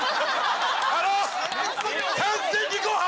あの、完全にごはん！